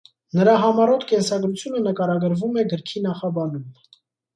Նրա համառոտ կենսագրությունը նկարագրվում է գրքի նախաբանում։